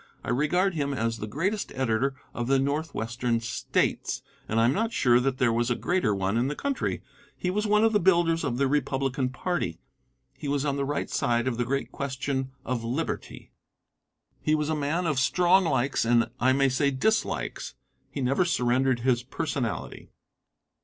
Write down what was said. I regard him as the greatest editor of the Northwestern States and I am not sure that there was a greater one in the country. He was one of the builders of the Republican party. He was on the right side of the great question of Liberty. He was a man of strong likes and I may say dislikes. He never surrendered his personality.